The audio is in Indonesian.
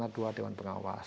dan dua dewan pengawas